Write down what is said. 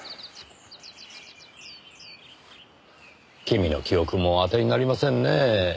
君の記憶も当てになりませんねぇ。